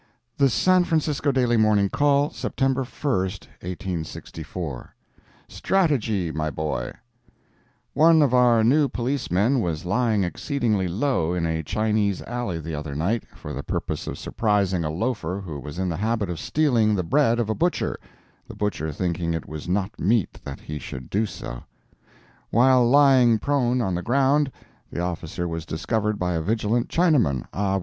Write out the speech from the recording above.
The San Francisco Daily Morning Call, September 1, 1864 STRATEGY, MY BOY One of our new policemen was lying exceedingly low in a Chinese alley the other night, for the purpose of surprising a loafer who was in the habit of stealing the bread of a butcher, the butcher thinking it was not meet that he should do so. While lying prone on the ground, the officer was discovered by a vigilant Chinaman, Ah Wah.